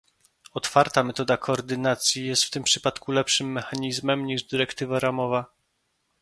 Otwarta metoda koordynacji jest w tym przypadku lepszym mechanizmem niż dyrektywa ramowa